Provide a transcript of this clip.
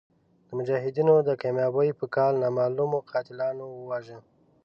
د مجاهدینو د کامیابۍ په کال نامعلومو قاتلانو وواژه.